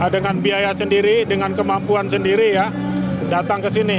dengan biaya sendiri dengan kemampuan sendiri ya datang ke sini